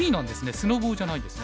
スノボじゃないんですね。